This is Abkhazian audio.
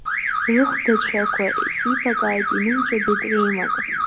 Рыхәдацәақәа ҵибакааит, инымҵәаӡеит реимак.